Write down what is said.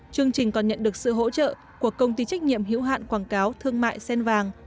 chương trình còn nhận được sự hỗ trợ của công ty trách nhiệm hữu hạn quảng cáo thương mại sen vàng